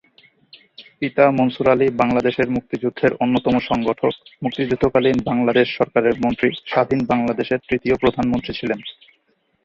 পিতা মনসুর আলী বাংলাদেশের মুক্তিযুদ্ধের অন্যতম সংগঠক, মুক্তিযুদ্ধকালীন বাংলাদেশ সরকারের মন্ত্রী, স্বাধীন বাংলাদেশের তৃতীয় প্রধানমন্ত্রী ছিলেন।